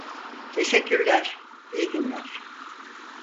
Teşekkürler, iyi günler.